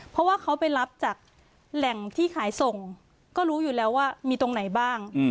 เพราะว่าเขาไปรับจากแหล่งที่ขายส่งก็รู้อยู่แล้วว่ามีตรงไหนบ้าง